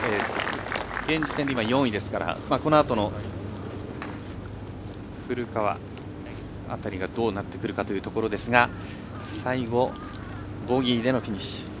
現時点で４位ですからこのあとの古川辺りがどうなってくるかというところですが最後、ボギーでのフィニッシュ。